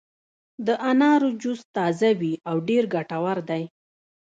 د انارو جوس تازه وي او ډېر ګټور دی.